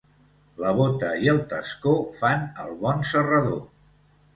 La bota i el tascó fan el bon serrador.